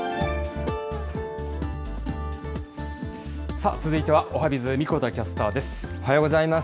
さあ、続いてはおはＢｉｚ、神子田キャスターです。